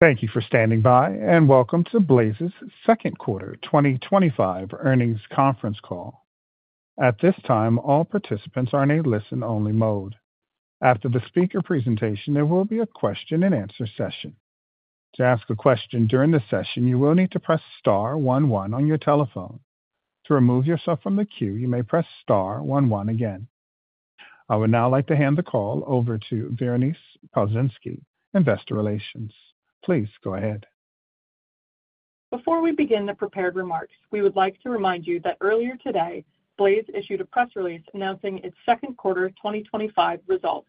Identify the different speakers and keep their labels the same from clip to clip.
Speaker 1: Thank you for standing by and welcome to Blaize's Second Quarter 2025 Earnings Conference Call. At this time, all participants are in a listen-only mode. After the speaker presentation, there will be a question-and-answer session. To ask a question during the session, you will need to press star one one on your telephone. To remove yourself from the queue, you may press star one one again. I would now like to hand the call over to Veronese Pozynski, Investor Relations. Please go ahead.
Speaker 2: Before we begin the prepared remarks, we would like to remind you that earlier today, Blaize issued a press release announcing its second quarter 2025 results.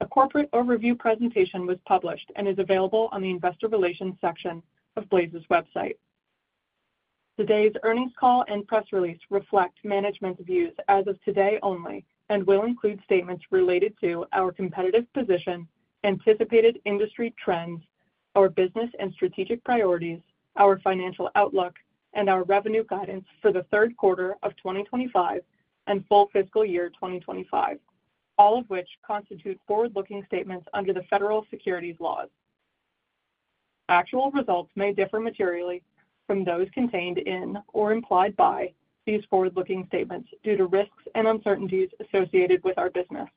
Speaker 2: A corporate overview presentation was published and is available on the Investor Relations section of Blaize's website. Today's earnings call and press release reflect management's views as of today only and will include statements related to our competitive position, anticipated industry trends, our business and strategic priorities, our financial outlook, and our revenue guidance for the third quarter of 2025 and full fiscal year 2025, all of which constitute forward-looking statements under the federal securities laws. Actual results may differ materially from those contained in or implied by these forward-looking statements due to risks and uncertainties associated with our business.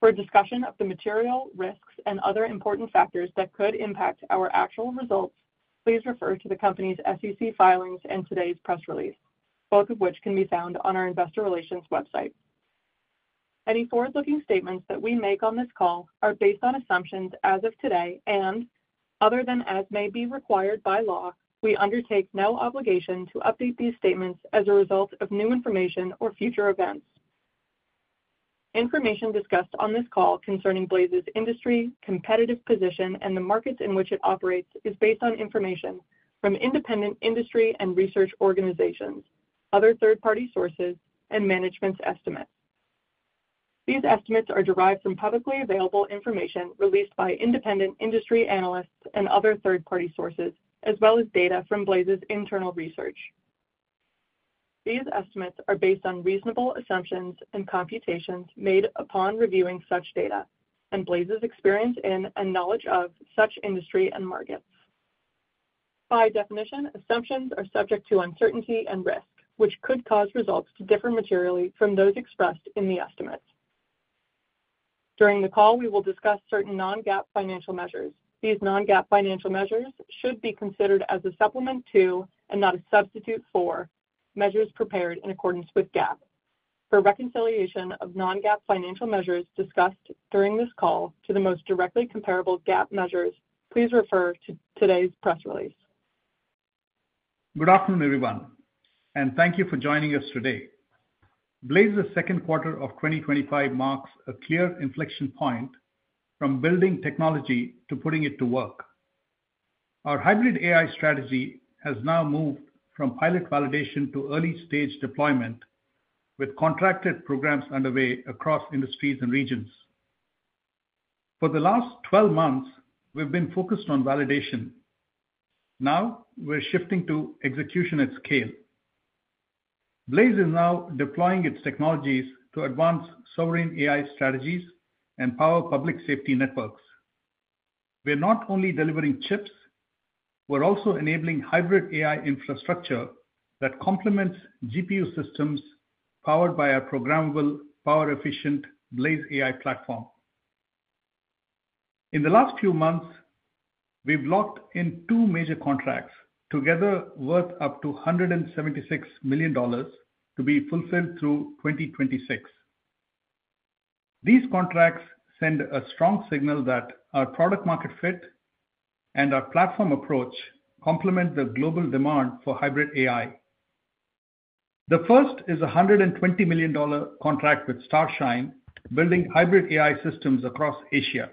Speaker 2: For discussion of the material risks and other important factors that could impact our actual results, please refer to the company's SEC filings and today's press release, both of which can be found on our Investor Relations website. Any forward-looking statements that we make on this call are based on assumptions as of today and, other than as may be required by law, we undertake no obligation to update these statements as a result of new information or future events. Information discussed on this call concerning Blaize's industry, competitive position, and the markets in which it operates is based on information from independent industry and research organizations, other third-party sources, and management's estimates. These estimates are derived from publicly available information released by independent industry analysts and other third-party sources, as well as data from Blaize's internal research. These estimates are based on reasonable assumptions and computations made upon reviewing such data and Blaize's experience in and knowledge of such industry and markets. By definition, assumptions are subject to uncertainty and risk, which could cause results to differ materially from those expressed in the estimates. During the call, we will discuss certain non-GAAP financial measures. These non-GAAP financial measures should be considered as a supplement to and not a substitute for measures prepared in accordance with GAAP. For reconciliation of non-GAAP financial measures discussed during this call to the most directly comparable GAAP measures, please refer to today's press release.
Speaker 3: Good afternoon, everyone, and thank you for joining us today. Blaize's second quarter of 2025 marks a clear inflection point from building technology to putting it to work. Our hybrid AI strategy has now moved from pilot validation to early-stage deployment, with contracted programs underway across industries and regions. For the last 12 months, we've been focused on validation. Now, we're shifting to execution at scale. Blaize is now deploying its technologies to advance sovereign AI strategies and power public safety networks. We're not only delivering chips, we're also enabling hybrid AI infrastructure that complements GPU systems powered by our programmable, power-efficient Blaize AI Platform. In the last few months, we've locked in two major contracts together worth up to $176 million to be fulfilled through 2026. These contracts send a strong signal that our product-market fit and our platform approach complement the global demand for hybrid AI. The first is a $120 million contract with Starshine, building hybrid AI systems across Asia.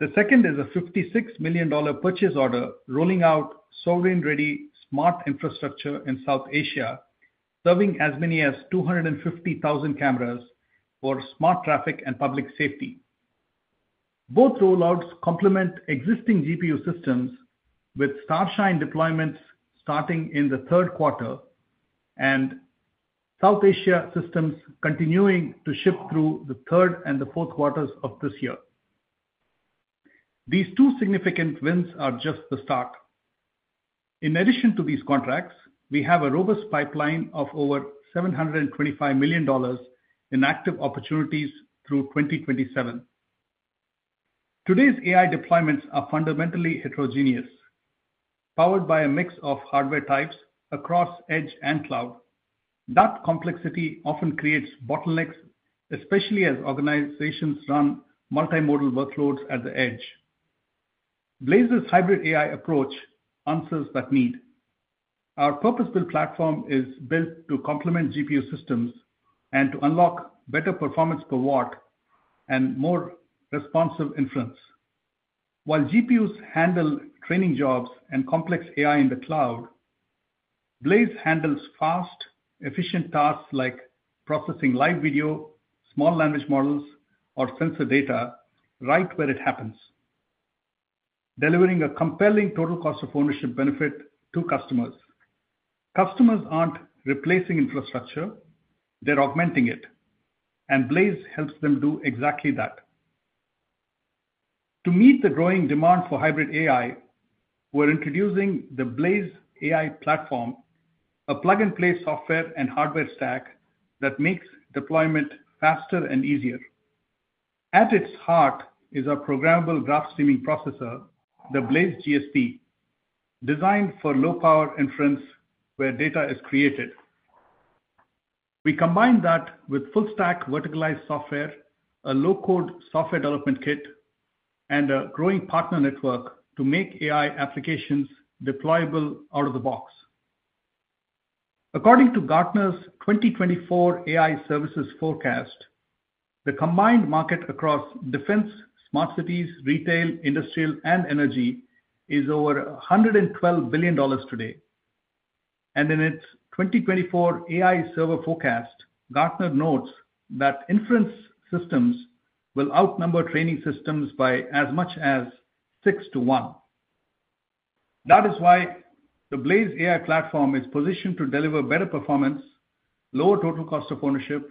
Speaker 3: The second is a $56 million purchase order rolling out sovereign-ready smart infrastructure in South Asia, serving as many as 250,000 cameras for smart traffic and public safety. Both rollouts complement existing GPU systems, with Starshine deployments starting in the third quarter and South Asia systems continuing to ship through the third and the fourth quarters of this year. These two significant wins are just the start. In addition to these contracts, we have a robust pipeline of over $725 million in active opportunities through 2027. Today's AI deployments are fundamentally heterogeneous, powered by a mix of hardware types across edge and cloud. That complexity often creates bottlenecks, especially as organizations run multimodal workloads at the edge. Blaize's hybrid AI approach answers that need. Our purpose-built platform is built to complement GPU systems and to unlock better performance per watt and more responsive inference. While GPUs handle training jobs and complex AI in the cloud, Blaize handles fast, efficient tasks like processing live video, small language models, or sensor data right where it happens, delivering a compelling total cost of ownership benefit to customers. Customers aren't replacing infrastructure, they're augmenting it, and Blaize helps them do exactly that. To meet the growing demand for hybrid AI, we're introducing the Blaize AI Platform, a plug-and-play software and hardware stack that makes deployment faster and easier. At its heart is our programmable graph streaming processor, the Blaize GSP, designed for low-power inference where data is created. We combine that with full-stack verticalized software, a low-code software development kit, and a growing partner network to make AI applications deployable out of the box. According to Gartner's 2024 AI services forecast, the combined market across defense, smart cities, retail, industrial, and energy is over $112 billion today. In its 2024 AI server forecast, Gartner notes that inference systems will outnumber training systems by as much as six to one. That is why the Blaize AI Platform is positioned to deliver better performance, lower total cost of ownership,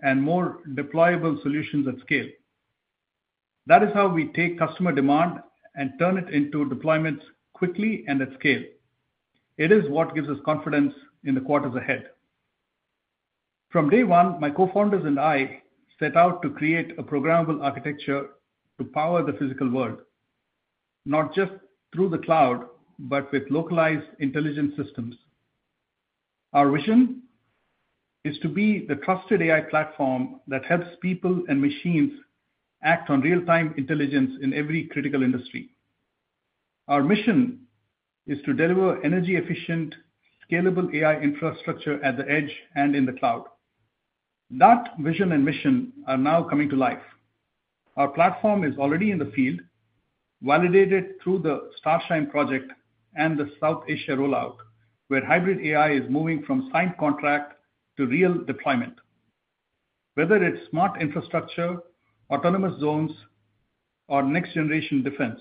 Speaker 3: and more deployable solutions at scale. That is how we take customer demand and turn it into deployments quickly and at scale. It is what gives us confidence in the quarters ahead. From day one, my Co-founders and I set out to create a programmable architecture to power the physical world, not just through the cloud, but with localized intelligence systems. Our vision is to be the trusted AI platform that helps people and machines act on real-time intelligence in every critical industry. Our mission is to deliver energy-efficient, scalable AI infrastructure at the edge and in the cloud. That vision and mission are now coming to life. Our platform is already in the field, validated through the Starshine project and the South Asia rollout, where hybrid AI is moving from signed contract to real deployment. Whether it's smart infrastructure, autonomous zones, or next-generation defense,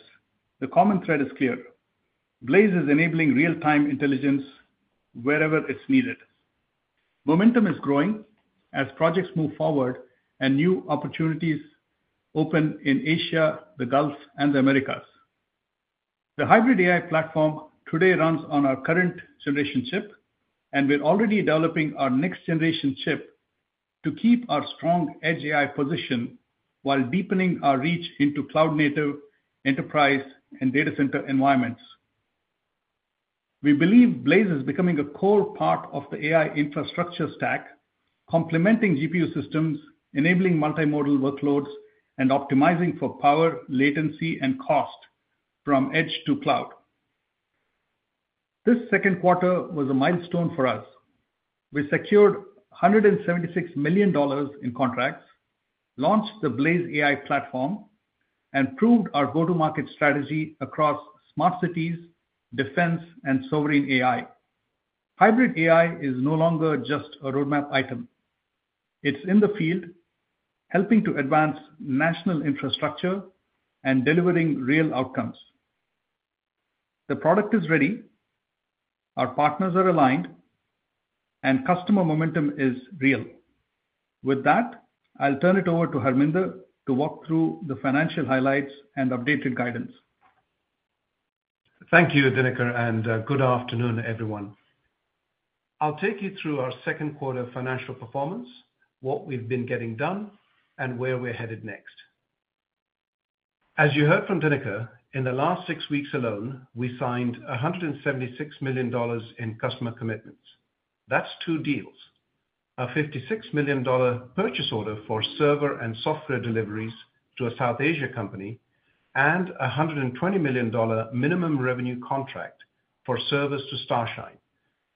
Speaker 3: the common thread is clear: Blaize is enabling real-time intelligence wherever it's needed. Momentum is growing as projects move forward and new opportunities open in Asia, the Gulf, and the Americas. The hybrid AI platform today runs on our current generation chip, and we're already developing our next-generation chip to keep our strong edge AI position while deepening our reach into cloud-native enterprise and data center environments. We believe Blaize is becoming a core part of the AI infrastructure stack, complementing GPU systems, enabling multimodal workloads, and optimizing for power, latency, and cost from edge to cloud. This second quarter was a milestone for us. We secured $176 million in contracts, launched the Blaize AI Platform, and proved our go-to-market strategy across smart cities, defense, and sovereign AI. Hybrid AI is no longer just a roadmap item. It's in the field, helping to advance national infrastructure and delivering real outcomes. The product is ready, our partners are aligned, and customer momentum is real. With that, I'll turn it over to Harminder to walk through the financial highlights and updated guidance.
Speaker 4: Thank you, Dinakar, and good afternoon, everyone. I'll take you through our second quarter financial performance, what we've been getting done, and where we're headed next. As you heard from Dinakar, in the last six weeks alone, we signed $176 million in customer commitments. That's two deals: a $56 million purchase order for server and software deliveries to a South Asia company, and a $120 million minimum revenue contract for service to Starshine,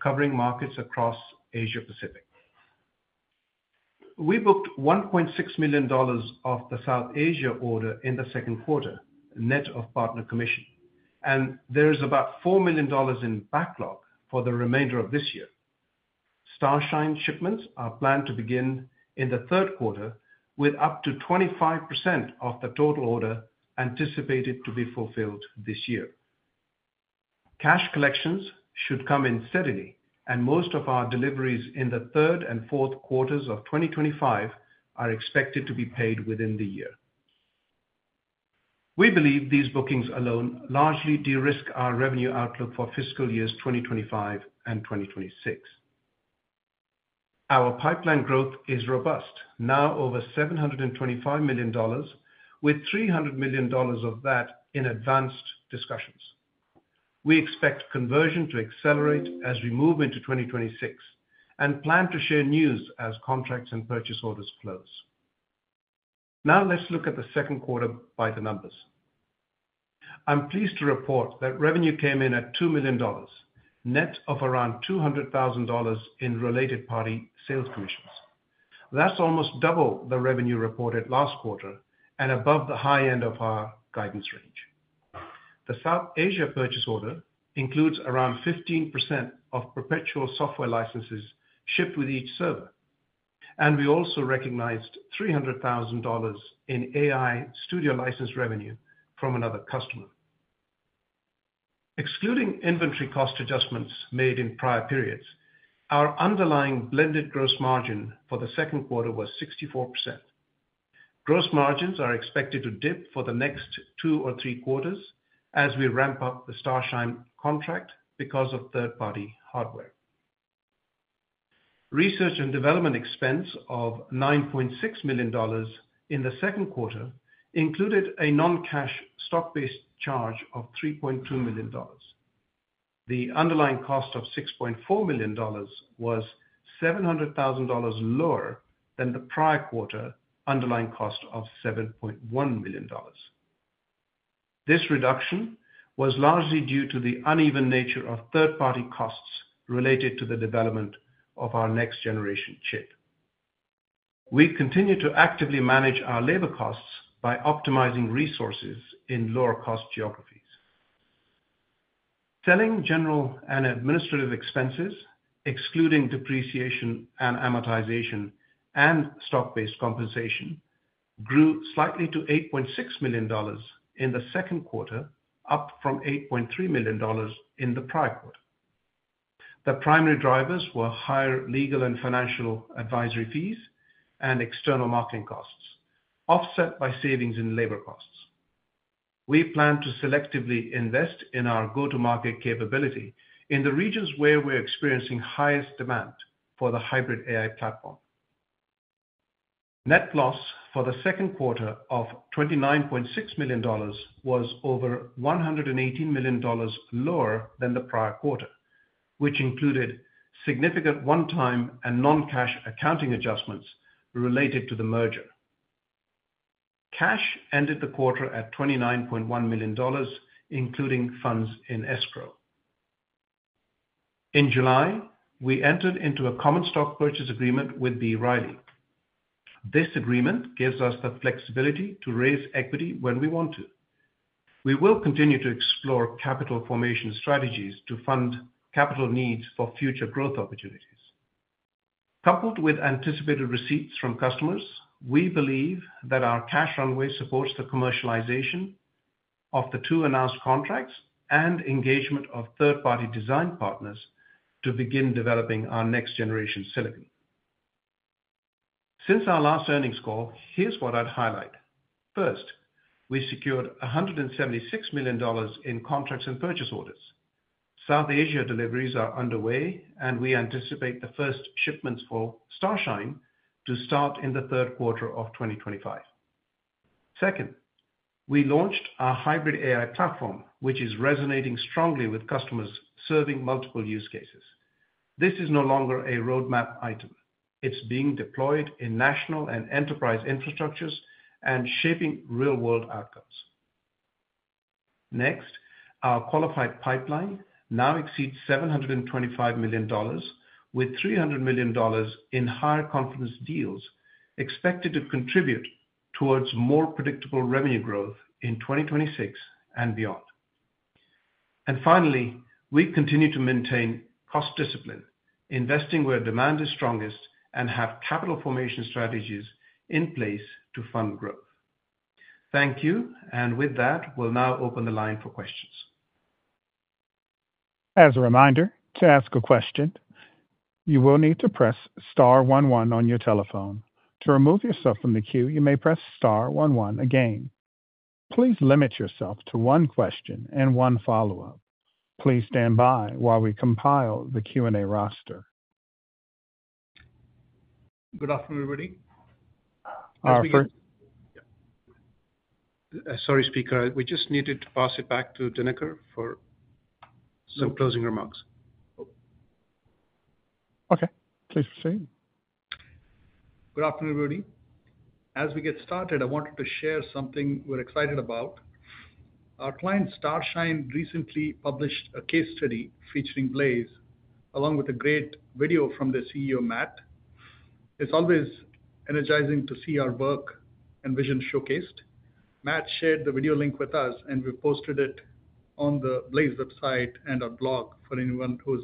Speaker 4: covering markets across Asia-Pacific. We booked $1.6 million of the South Asia order in the second quarter, net of partner commission, and there is about $4 million in backlog for the remainder of this year. Starshine shipments are planned to begin in the third quarter, with up to 25% of the total order anticipated to be fulfilled this year. Cash collections should come in steadily, and most of our deliveries in the third and fourth quarters of 2025 are expected to be paid within the year. We believe these bookings alone largely de-risk our revenue outlook for fiscal years 2025 and 2026. Our pipeline growth is robust, now over $725 million, with $300 million of that in advanced discussions. We expect conversion to accelerate as we move into 2026 and plan to share news as contracts and purchase orders close. Now let's look at the second quarter by the numbers. I'm pleased to report that revenue came in at $2 million, net of around $200,000 in related party sales commissions. That's almost double the revenue reported last quarter and above the high end of our guidance range. The South Asia purchase order includes around 15% of perpetual software licenses shipped with each server, and we also recognized $300,000 in AI Studio license revenue from another customer. Excluding inventory cost adjustments made in prior periods, our underlying blended gross margin for the second quarter was 64%. Gross margins are expected to dip for the next two or three quarters as we ramp up the Starshine contract because of third-party hardware. Research and development expense of $9.6 million in the second quarter included a non-cash stock-based charge of $3.2 million. The underlying cost of $6.4 million was $700,000 lower than the prior quarter's underlying cost of $7.1 million. This reduction was largely due to the uneven nature of third-party costs related to the development of our next-generation chip. We continue to actively manage our labor costs by optimizing resources in lower-cost geographies. Selling, general, and administrative expenses, excluding depreciation and amortization, and stock-based compensation, grew slightly to $8.6 million in the second quarter, up from $8.3 million in the prior quarter. The primary drivers were higher legal and financial advisory fees and external marketing costs, offset by savings in labor costs. We plan to selectively invest in our go-to-market capability in the regions where we're experiencing highest demand for the hybrid AI platform. Net loss for the second quarter of $29.6 million was over $118 million lower than the prior quarter, which included significant one-time and non-cash accounting adjustments related to the merger. Cash ended the quarter at $29.1 million, including funds in escrow. In July, we entered into a common stock purchase agreement with B. Riley. This agreement gives us the flexibility to raise equity when we want to. We will continue to explore capital formation strategies to fund capital needs for future growth opportunities. Coupled with anticipated receipts from customers, we believe that our cash runway supports the commercialization of the two announced contracts and engagement of third-party design partners to begin developing our next-generation silicon. Since our last earnings call, here's what I'd highlight. First, we secured $176 million in contracts and purchase orders. South Asia deliveries are underway, and we anticipate the first shipments for Starshine to start in the third quarter of 2025. Second, we launched our hybrid AI platform, which is resonating strongly with customers serving multiple use cases. This is no longer a roadmap item. It's being deployed in national and enterprise infrastructures and shaping real-world outcomes. Next, our qualified pipeline now exceeds $725 million, with $300 million in higher confidence deals expected to contribute towards more predictable revenue growth in 2026 and beyond. Finally, we continue to maintain cost discipline, investing where demand is strongest, and have capital formation strategies in place to fund growth. Thank you, and with that, we'll now open the line for questions.
Speaker 1: As a reminder, to ask a question, you will need to press star one one on your telephone. To remove yourself from the queue, you may press star one one again. Please limit yourself to one question and one follow-up. Please stand by while we compile the Q&A roster.
Speaker 3: Good afternoon, everybody.
Speaker 4: Sorry, speaker, we just needed to pass it back to Dinakar for some closing remarks.
Speaker 1: Okay, please proceed.
Speaker 3: Good afternoon, everybody. As we get started, I wanted to share something we're excited about. Our client, Starshine, recently published a case study featuring Blaize, along with a great video from their CEO, Matt. It's always energizing to see our work and vision showcased. Matt shared the video link with us, and we've posted it on the Blaize website and our blog for anyone who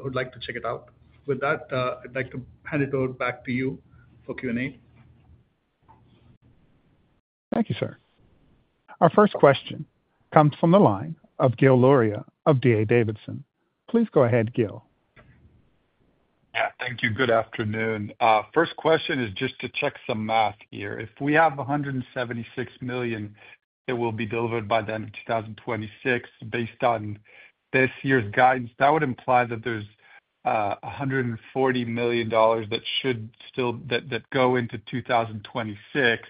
Speaker 3: would like to check it out. With that, I'd like to hand it over back to you for Q&A.
Speaker 1: Thank you, sir. Our first question comes from the line of Gil Luria of D.A. Davidson. Please go ahead, Gil.
Speaker 5: Thank you. Good afternoon. First question is just to check some math here. If we have $176 million, it will be delivered by the end of 2026. Based on this year's guidance, that would imply that there's $140 million that should still go into 2026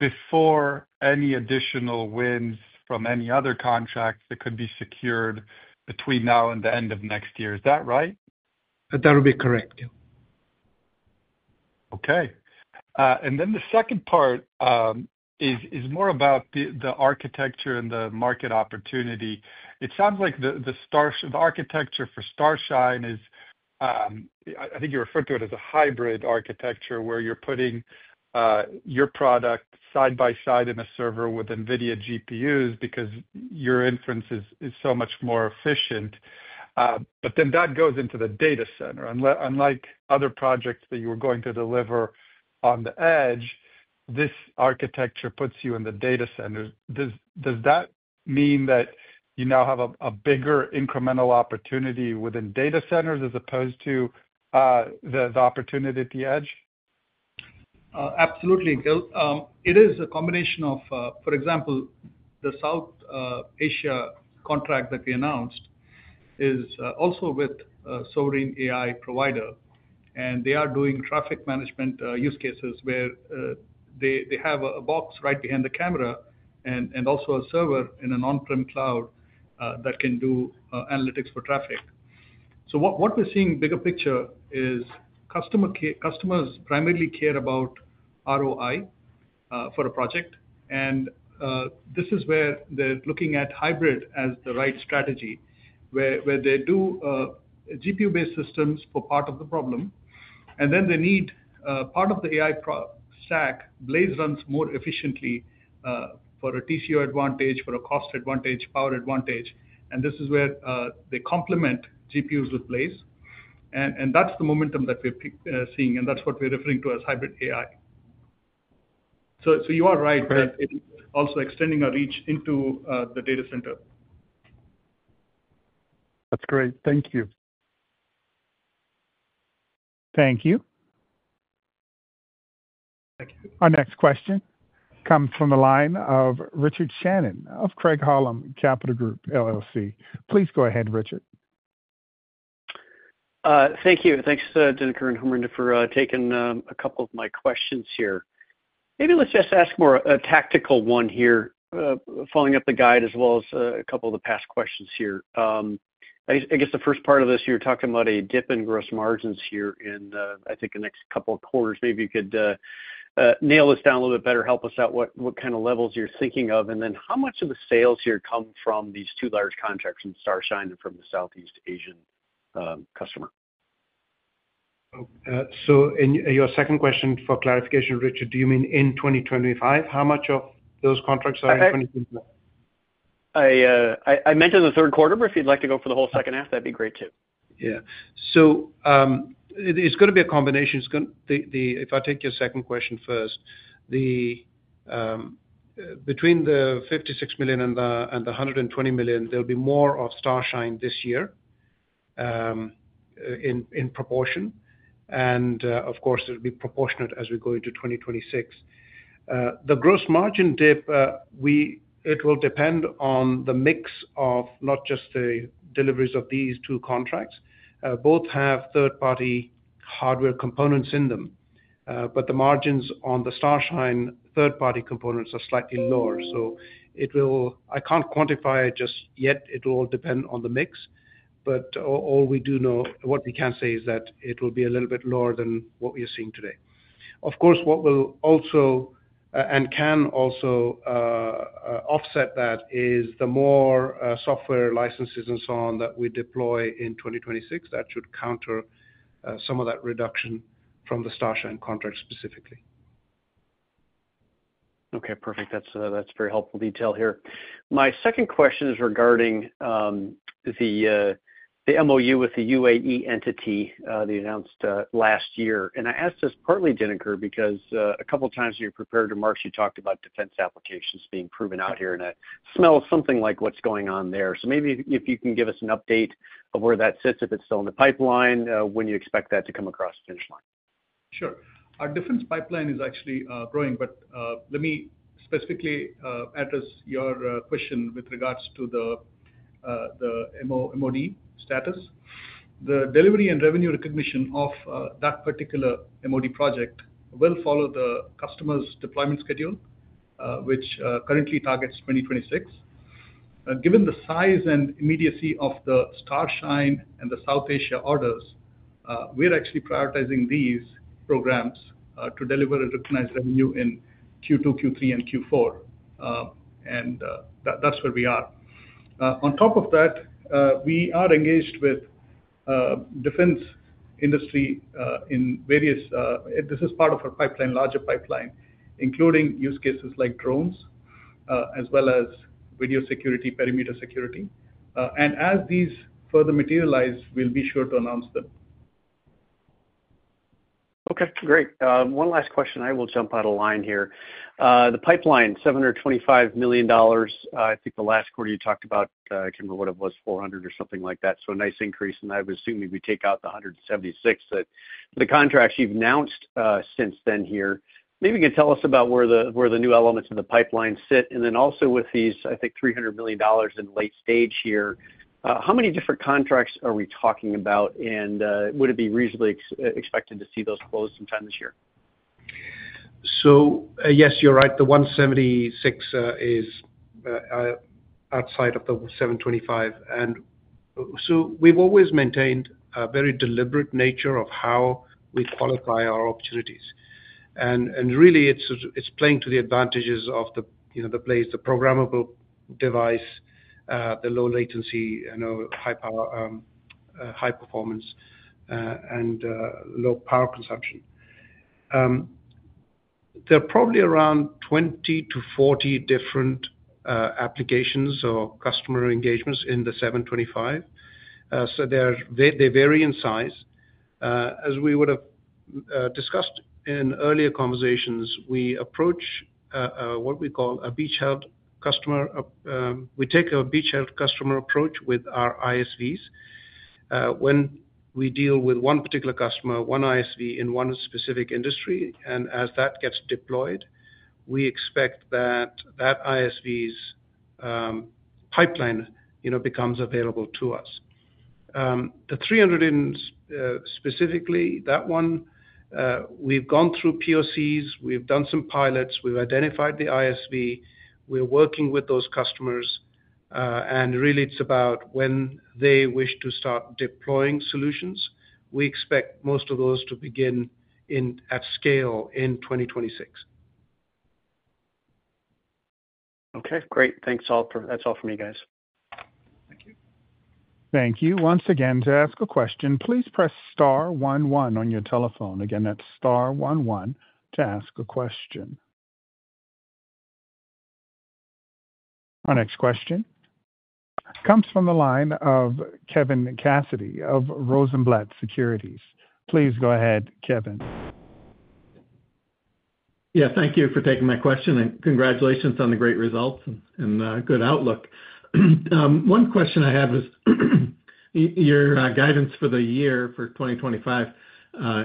Speaker 5: before any additional wins from any other contracts that could be secured between now and the end of next year. Is that right?
Speaker 3: That would be correct, yeah.
Speaker 5: Okay. The second part is more about the architecture and the market opportunity. It sounds like the architecture for Starshine is, I think you referred to it as a hybrid architecture where you're putting your product side by side in a server with NVIDIA GPUs because your inference is so much more efficient. That goes into the data center. Unlike other projects that you were going to deliver on the edge, this architecture puts you in the data center. Does that mean that you now have a bigger incremental opportunity within data centers as opposed to the opportunity at the edge?
Speaker 3: Absolutely, Gil. It is a combination of, for example, the South Asia contract that we announced is also with a sovereign AI provider, and they are doing traffic management use cases where they have a box right behind the camera and also a server in an on-prem cloud that can do analytics for traffic. What we're seeing in the bigger picture is customers primarily care about ROI for a project, and this is where they're looking at hybrid as the right strategy, where they do GPU-based systems for part of the problem, and then they need part of the AI stack. Blaize runs more efficiently for a TCO advantage, for a cost advantage, power advantage, and this is where they complement GPUs with Blaize, and that's the momentum that we're seeing, and that's what we're referring to as hybrid AI. You are right that it's also extending our reach into the data center.
Speaker 5: That's great. Thank you.
Speaker 1: Thank you. Our next question comes from the line of Richard Shannon of Craig-Hallum Capital Group, LLC. Please go ahead, Richard.
Speaker 6: Thank you. Thanks, Dinakar and Harminder, for taking a couple of my questions here. Maybe let's just ask more a tactical one here, following up the guide as well as a couple of the past questions here. I guess the first part of this, you were talking about a dip in gross margins here in, I think, the next couple of quarters. Maybe you could nail this down a little bit better, help us out what kind of levels you're thinking of, and then how much of the sales here come from these two large contracts from Starshine and from the Southeast Asian customer?
Speaker 4: In your second question, for clarification, Richard, do you mean in 2025? How much of those contracts are in 2025?
Speaker 6: I meant in the third quarter, but if you'd like to go for the whole second half, that'd be great too.
Speaker 4: Yeah. It's going to be a combination. If I take your second question first, between the $56 million and the $120 million, there'll be more of Starshine this year in proportion, and of course, it'll be proportionate as we go into 2026. The gross margin dip will depend on the mix of not just the deliveries of these two contracts. Both have third-party hardware components in them, but the margins on the Starshine third-party components are slightly lower. I can't quantify it just yet. It'll all depend on the mix, but what we do know, what we can say is that it will be a little bit lower than what we are seeing today. What will also and can also offset that is the more software licenses and so on that we deploy in 2026. That should counter some of that reduction from the Starshine contract specifically.
Speaker 6: Okay, perfect. That's a very helpful detail here. My second question is regarding the MOU with the UAE entity they announced last year. I ask this partly, Dinakar, because a couple of times in your prepared remarks, you talked about defense applications being proven out here, and it smells something like what's going on there. Maybe if you can give us an update of where that sits, if it's still in the pipeline, when you expect that to come across the finish line.
Speaker 3: Sure. Our defense pipeline is actually growing, but let me specifically address your question with regards to the MOD status. The delivery and revenue recognition of that particular MOD project will follow the customer's deployment schedule, which currently targets 2026. Given the size and immediacy of the Starshine and the South Asia orders, we're actually prioritizing these programs to deliver a recognized revenue in Q2, Q3, and Q4, and that's where we are. On top of that, we are engaged with defense industry in various, this is part of our pipeline, larger pipeline, including use cases like drones, as well as video security, perimeter security. As these further materialize, we'll be sure to announce them.
Speaker 6: Okay, great. One last question. I will jump out of line here. The pipeline, $725 million, I think the last quarter you talked about, I can't remember what it was, $400 million or something like that. A nice increase, and I would assume we take out the $176 million that the contracts you've announced since then here. Maybe you can tell us about where the new elements of the pipeline sit, and also with these, I think, $300 million in late stage here, how many different contracts are we talking about, and would it be reasonably expected to see those close sometime this year?
Speaker 4: Yes, you're right. the $176 million is outside of the $725 million. We've always maintained a very deliberate nature of how we qualify our opportunities. It's really playing to the advantages of Blaize, the programmable device, the low latency, high performance, and low power consumption. There are probably around 20-40 different applications or customer engagements in the $725 million, so they vary in size. As we would have discussed in earlier conversations, we approach what we call a beachhead customer. We take a beachhead customer approach with our ISVs. When we deal with one particular customer, one ISV in one specific industry, as that gets deployed, we expect that ISV's pipeline becomes available to us. The $300 million specifically, that one, we've gone through POCs, we've done some pilots, we've identified the ISV, we're working with those customers, and it's about when they wish to start deploying solutions. We expect most of those to begin at scale in 2026.
Speaker 6: Okay, great. Thanks all for—that's all from you guys.
Speaker 3: Thank you.
Speaker 1: Thank you. Once again, to ask a question, please press star one one on your telephone. Again, that's star one one to ask a question. Our next question comes from the line of Kevin Cassidy of Rosenblatt Securities. Please go ahead, Kevin.
Speaker 7: Thank you for taking my question, and congratulations on the great results and good outlook. One question I have is your guidance for the year for 2025.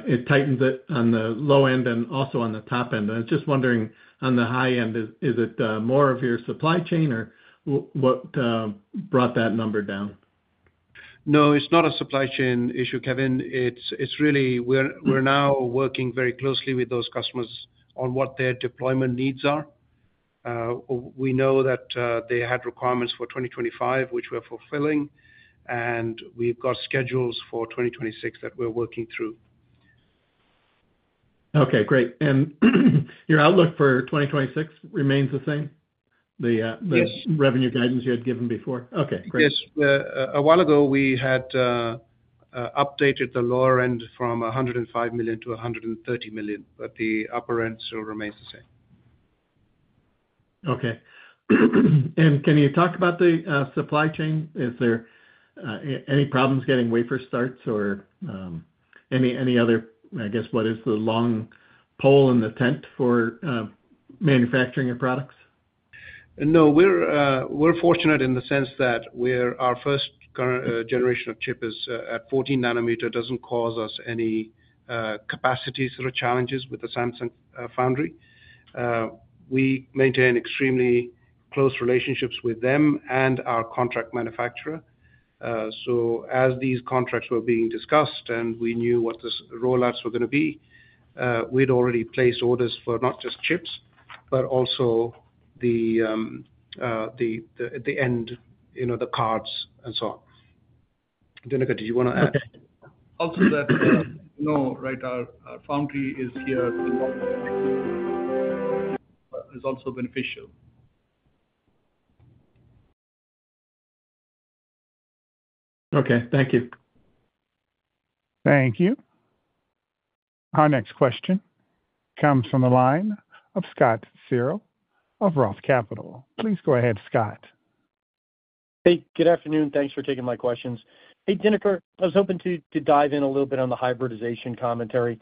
Speaker 7: It tightens it on the low end and also on the top end. I'm just wondering, on the high end, is it more of your supply chain or what brought that number down?
Speaker 4: No, it's not a supply chain issue, Kevin. It's really, we're now working very closely with those customers on what their deployment needs are. We know that they had requirements for 2025, which we are fulfilling, and we've got schedules for 2026 that we're working through.
Speaker 7: Okay, great. Your outlook for 2026 remains the same?
Speaker 4: Yes.
Speaker 7: The revenue guidance you had given before? Okay, great.
Speaker 4: Yes. A while ago, we had updated the lower end from $105 million to $130 million, but the upper end still remains the same.
Speaker 7: Okay. Can you talk about the supply chain? Is there any problems getting wafer starts or any other, I guess, what is the long pole in the tent for manufacturing your products?
Speaker 4: No, we're fortunate in the sense that our first generation of chip is at 14 nm. It doesn't cause us any capacity sort of challenges with the Samsung Foundry. We maintain extremely close relationships with them and our contract manufacturer. As these contracts were being discussed and we knew what the rollouts were going to be, we'd already placed orders for not just chips, but also the end, you know, the cards and so on. Dinakar, did you want to add?
Speaker 3: Okay. I'll say that, no, right, our foundry is here too, but it's also beneficial.
Speaker 7: Okay, thank you.
Speaker 1: Thank you. Our next question comes from the line of Scott Searle of ROTH Capital. Please go ahead, Scott.
Speaker 8: Hey, good afternoon. Thanks for taking my questions. Hey, Dinakar, I was hoping to dive in a little bit on the hybridization commentary.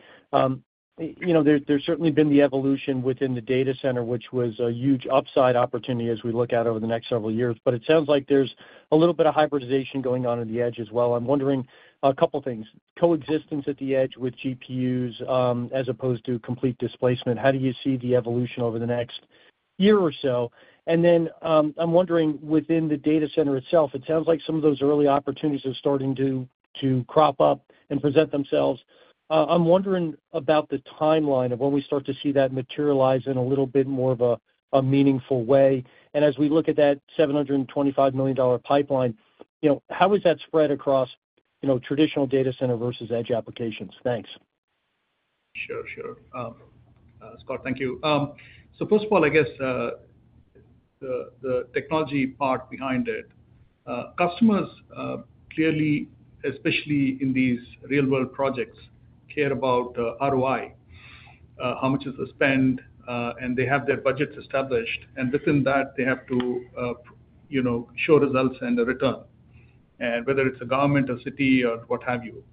Speaker 8: You know, there's certainly been the evolution within the data center, which was a huge upside opportunity as we look out over the next several years, but it sounds like there's a little bit of hybridization going on at the edge as well. I'm wondering a couple of things. Coexistence at the edge with GPUs as opposed to complete displacement, how do you see the evolution over the next year or so? I'm wondering, within the data center itself, it sounds like some of those early opportunities are starting to crop up and present themselves. I'm wondering about the timeline of when we start to see that materialize in a little bit more of a meaningful way. As we look at that $725 million pipeline, how is that spread across traditional data center versus edge applications? Thanks.
Speaker 3: Sure, sure. Scott, thank you. First of all, I guess the technology part behind it, customers clearly, especially in these real-world projects, care about ROI, how much is the spend, and they have their budgets established. Within that, they have to show results and a return, whether it's a government or city or what have you.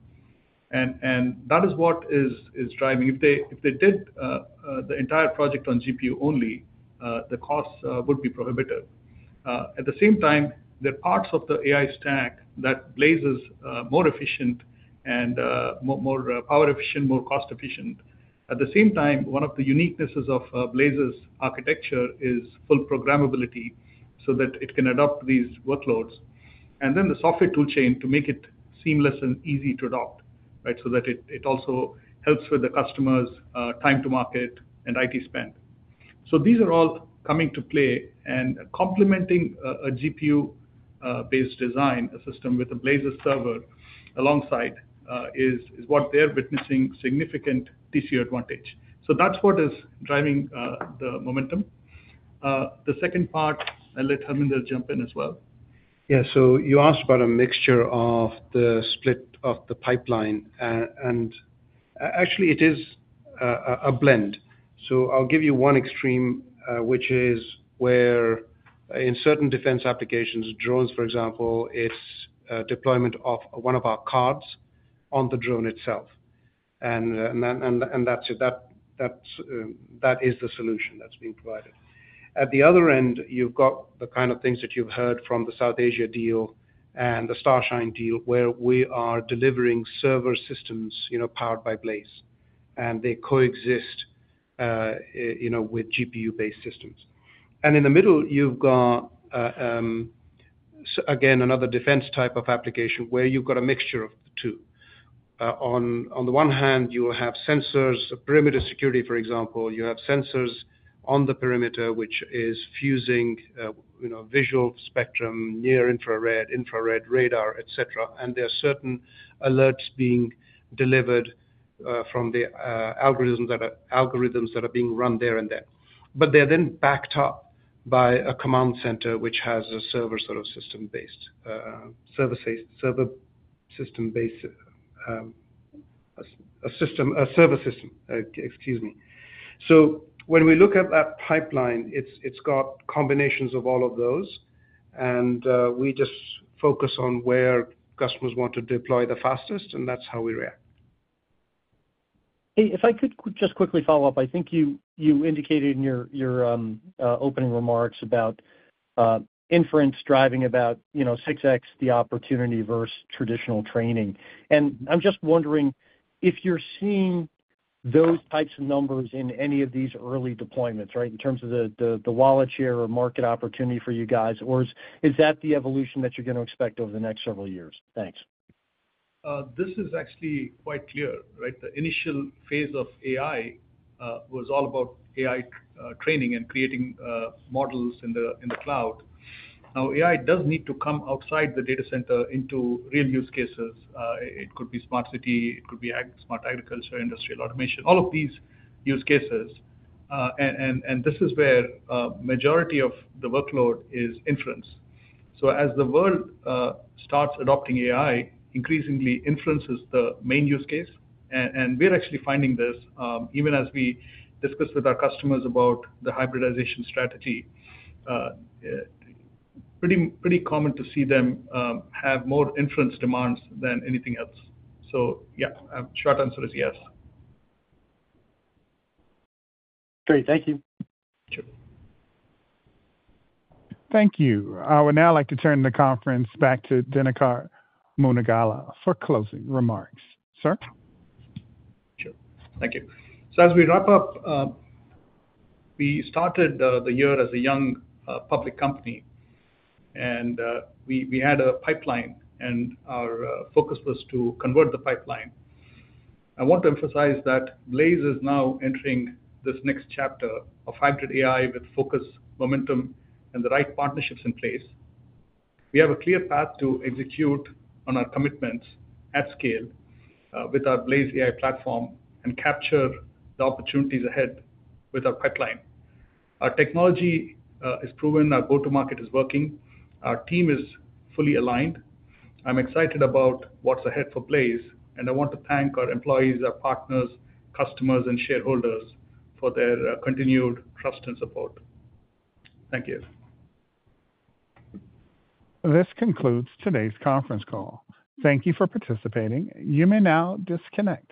Speaker 3: That is what is driving. If they did the entire project on GPU only, the costs would be prohibitive. At the same time, there are parts of the AI stack that Blaize is more efficient and more power efficient, more cost efficient. One of the uniquenesses of Blaize's architecture is full programmability so that it can adopt these workloads. The software toolchain to make it seamless and easy to adopt, right, so that it also helps with the customer's time to market and IT spend. These are all coming to play, and complementing a GPU-based design, a system with a Blaize server alongside is what they're witnessing significant TCO advantage. That's what is driving the momentum. The second part, and let Harminder jump in as well.
Speaker 4: You asked about a mixture of the split of the pipeline, and actually, it is a blend. I'll give you one extreme, which is where in certain defense applications, drones, for example, it's deployment of one of our cards on the drone itself. That is the solution that's being provided. At the other end, you've got the kind of things that you've heard from the South Asia deal and the Starshine deal where we are delivering server systems powered by Blaize, and they coexist with GPU-based systems. In the middle, you've got, again, another defense type of application where you've got a mixture of the two. On the one hand, you will have sensors, perimeter security, for example. You have sensors on the perimeter, which is fusing visual spectrum, near-infrared, infrared radar, etc. There are certain alerts being delivered from the algorithms that are being run there and then. They're then backed up by a command center, which has a server system. When we look at that pipeline, it's got combinations of all of those, and we just focus on where customers want to deploy the fastest, and that's how we react.
Speaker 8: Hey, if I could just quickly follow up, I think you indicated in your opening remarks about inference driving about 6x the opportunity versus traditional training. I'm just wondering if you're seeing those types of numbers in any of these early deployments, in terms of the wallet share or market opportunity for you guys, or is that the evolution that you're going to expect over the next several years? Thanks.
Speaker 3: This is actually quite clear, right? The initial phase of AI was all about AI training and creating models in the cloud. Now, AI does need to come outside the data center into real use cases. It could be smart city, it could be smart agriculture, industrial automation, all of these use cases. This is where the majority of the workload is inference. As the world starts adopting AI, increasingly inference is the main use case. We're actually finding this, even as we discuss with our customers about the hybridization strategy, pretty common to see them have more inference demands than anything else. Short answer is yes.
Speaker 8: Great, thank you.
Speaker 3: Sure.
Speaker 1: Thank you. I would now like to turn the conference back to Dinakar Munagala for closing remarks. Sir?
Speaker 3: Thank you. As we wrap up, we started the year as a young public company, and we had a pipeline, and our focus was to convert the pipeline. I want to emphasize that Blaize is now entering this next chapter of hybrid AI with focus, momentum, and the right partnerships in place. We have a clear path to execute on our commitments at scale with our Blaize AI Platform and capture the opportunities ahead with our pipeline. Our technology is proven. Our go-to-market is working. Our team is fully aligned. I'm excited about what's ahead for Blaize, and I want to thank our employees, our partners, customers, and shareholders for their continued trust and support. Thank you.
Speaker 1: This concludes today's conference call. Thank you for participating. You may now disconnect.